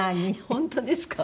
本当ですか？